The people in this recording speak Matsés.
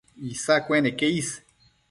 Isa cueneque is